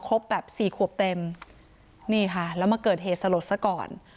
แบบสี่ขวบเต็มนี่ค่ะแล้วมาเกิดเหตุสลดซะก่อน